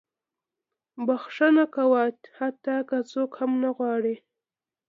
• بښنه کوه، حتی که څوک یې نه غواړي.